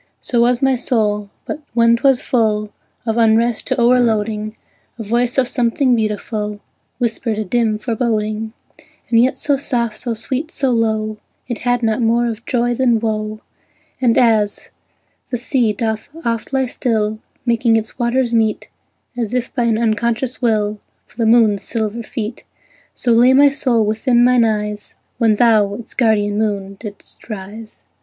So was my soul; but when 'twas full Of unrest to o'erloading, A voice of something beautiful Whispered a dim foreboding, And yet so soft, so sweet, so low, It had not more of joy than woe; And, as the sea doth oft lie still, Making its waters meet, As if by an unconscious will, For the moon's silver feet, So lay my soul within mine eyes When thou, its guardian moon, didst rise.